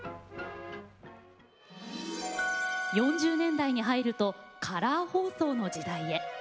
４０年代に入るとカラー放送の時代へ。